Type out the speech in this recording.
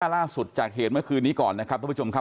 ล่าสุดจากเหตุเมื่อคืนนี้ก่อนนะครับทุกผู้ชมครับ